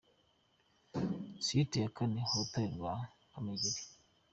Site ya kane: Urutare rwa Kamegeri.